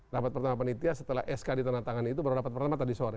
rapat pertama panitia setelah sk di tengah tangan itu baru rapat pertama tadi sore